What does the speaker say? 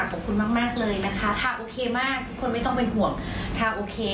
ขอบคุณมากเลยนะคะถ้าโอเคมากทุกคนไม่ต้องเป็นห่วงถ้าโอเค